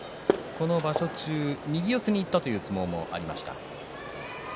この場所中、右四つにいった相撲もありました。